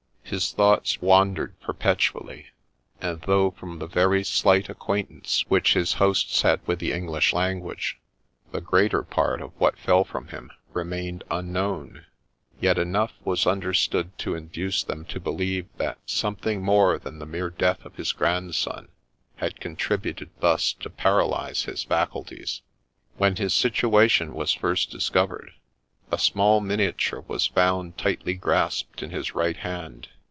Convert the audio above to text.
His thoughts wandered perpetually : and though, from the very slight acquaintance which his hosts had with the English language, THE LATE HENRY HARRIS, D.D. 127 the greater part of what fell from him remained unknown, yet enough was understood to induce them to believe that something more than the mere death of his grandson had contributed thus to paralyse his faculties. When his situation was first discovered, a small miniature was found tightly grasped in his right hand.